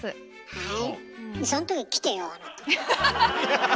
はい。